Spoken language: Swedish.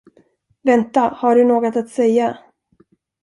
Vänta, har du något att säga?